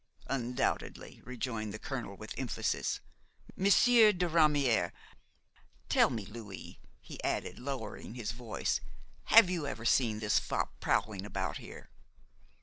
"Undoubtedly," rejoined the colonel with emphasis. "Monsieur de Ramière! Tell me Louis," he added, lowering his voice, "have you ever seen this fop prowling about here?"